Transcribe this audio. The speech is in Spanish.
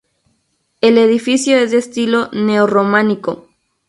El edificio es de estilo neo-románico.